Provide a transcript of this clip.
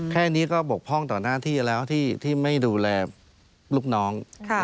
แค่นี้ก็บกพ่องต่อหน้าที่แล้วที่ไม่ดูแลลูกน้อง